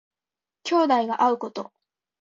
兄弟が会うこと。